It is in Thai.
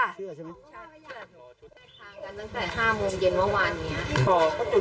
จัดทางกันตั้งแต่๕โมงเย็นเมื่อวาน